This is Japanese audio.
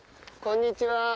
こんにちは。